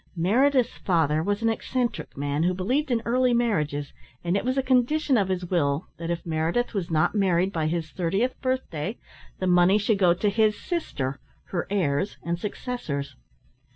Meredith's father was an eccentric man who believed in early marriages, and it was a condition of his will that if Meredith was not married by his thirtieth birthday, the money should go to his sister, her heirs and successors.